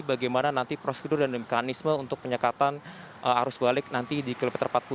bagaimana nanti prosedur dan mekanisme untuk penyekatan arus balik nanti di kilometer empat puluh